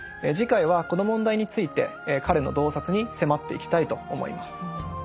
次回はこの問題について彼の洞察に迫っていきたいと思います。